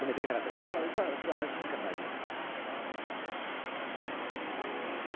でも歌はすごい安心感があります。